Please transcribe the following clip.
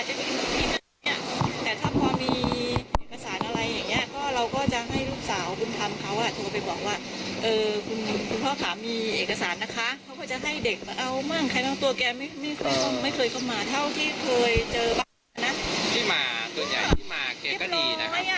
ที่มาส่วนใหญ่ที่มาแกก็ดีนะครับแกคุยดี